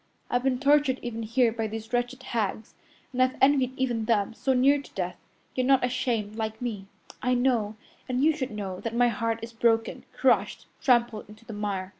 I've been tortured even here by these wretched hags, and I've envied even them, so near to death, yet not ashamed like me. I know, and you should know, that my heart is broken, crushed, trampled into the mire.